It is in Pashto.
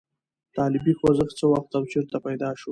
طالبي خوځښت څه وخت او چېرته پیدا شو؟